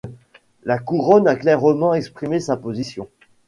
La Couronne a clairement exprimé sa position.